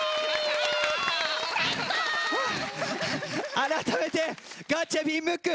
あらためてガチャピンムック